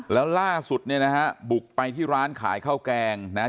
แล้วล่าสุดเนี่ยนะฮะบุกไปที่ร้านขายข้าวแกงนะฮะ